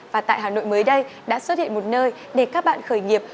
và tại hà nội mới đây đã xuất hiện một nơi để các bạn khởi nghiệp